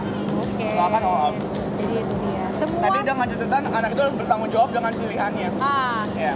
tapi dengan cetetan anak itu harus bertanggung jawab dengan pilihannya